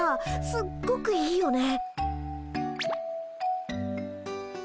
すっごくいいよね。